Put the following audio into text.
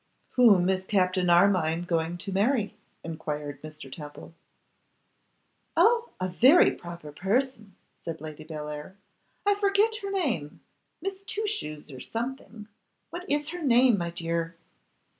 'Whom is Captain Armine going to marry?' enquired Mr. Temple. 'Oh! a very proper person,' said Lady Bellair. 'I forget her name. Miss Twoshoes, or something. What is her name, my dear?